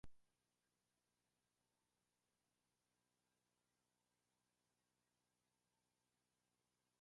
Cuando la radio pasó a manos de Julián García-Reyes Anguita.